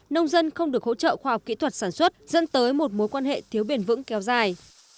nông dân không được hỗ trợ khoa học kỹ thuật sản xuất dẫn tới một mối quan hệ thiếu bền vững kéo dài